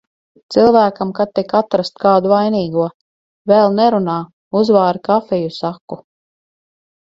Cilvēkam, ka tik atrast kādu vainīgo. "Vēl nerunā, uzvāri kafiju," saku.